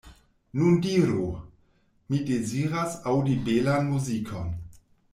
Nun diru: mi deziras aŭdi belan muzikon.